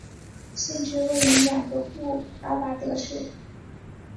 县治位于雅各布阿巴德市。